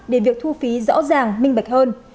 để việc thu phí rõ ràng minh bạch hơn